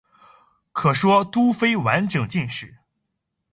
可说都非完备的晋史。